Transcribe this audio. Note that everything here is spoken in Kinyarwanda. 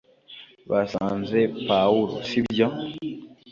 basanze pawulo, sibyo